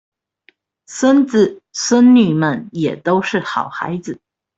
孫子孫女們也都是好孩子